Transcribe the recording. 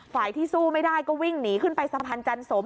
ฝ่ายที่สู้ไม่ได้ก็วิ่งหนีขึ้นไปสะพานจันสม